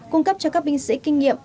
cung cấp cho các binh sĩ kinh nghiệm